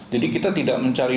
jadi kita tidak mencari